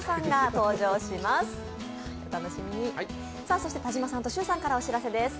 そして田島さんと許さんからお知らせです。